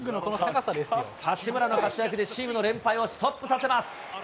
八村の活躍で、チームの連敗をストップさせます。